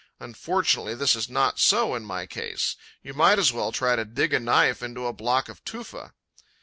Unfortunately, this is not so in my case: you might as well try to dig a knife into a block of tufa.